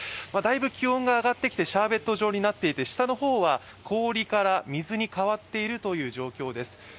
だいぶ気温が上がってきてシャーベット状になっていて下の方は氷から水に変わっているという状態です。